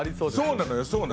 そうなのよ。